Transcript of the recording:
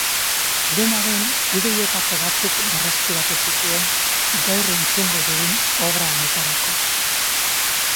Dena den, ideietako batzuk berreskuratu zituen gaur entzungo dugun obra honetarako.